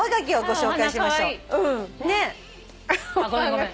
ごめんごめん。